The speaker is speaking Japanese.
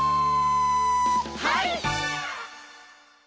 「はい！」